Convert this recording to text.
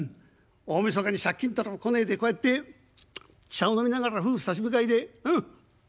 大みそかに借金取りも来ねえでこうやって茶を飲みながら夫婦差し向かいでうん。